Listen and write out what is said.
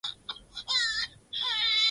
Msichana huyu ni mrembo sana.